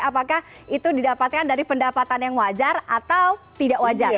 apakah itu didapatkan dari pendapatan yang wajar atau tidak wajar